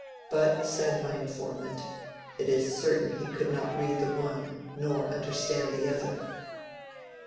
But, said my informant, ^^ It is certain be could not read the one nor under stand the other."